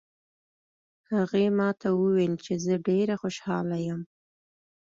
هغې ما ته وویل چې زه ډېره خوشحاله یم